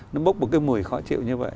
nó bốc một cái mùi khó chịu như vậy